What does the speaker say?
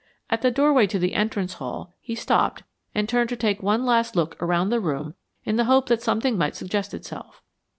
At the doorway to the entrance hall, he stopped and turned to take one last look around the room in the hope that something might suggest itself.